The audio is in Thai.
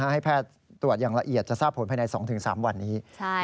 ให้แพทย์ตรวจอย่างละเอียดจะทราบผลภายใน๒๓วันนี้